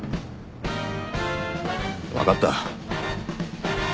分かった。